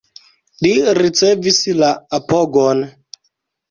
Li ricevis la apogon.